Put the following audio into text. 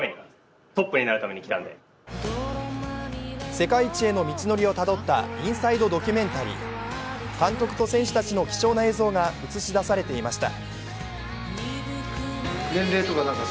世界一への道のりをたどったインサイドドキュメンタリー監督と選手たちの貴重な映像が映し出されていました。